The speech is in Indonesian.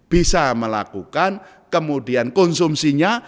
bisa melakukan kemudian konsumsinya